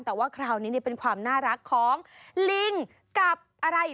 แต่ว่าคราวนี้เป็นความน่ารักของลิงกับอะไร